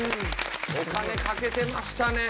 お金かけてましたねえ。